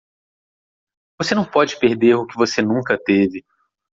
Você não pode perder o que você nunca teve.